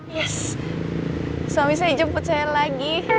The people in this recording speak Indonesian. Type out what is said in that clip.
yes suami saya jemput saya lagi